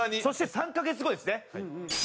そして３カ月後ですね。